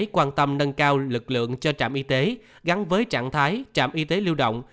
quan tâm nâng cao lực lượng cho trạm y tế gắn với trạng thái trạm y tế lưu động